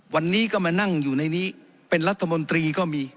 วันนี้ก็มานั่งอยู่ในนี้เป็นรัฐมนตรีก็มี